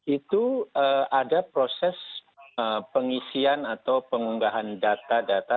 itu ada proses pengisian atau pengunggahan data data